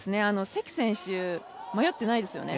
関選手、迷ってないですよね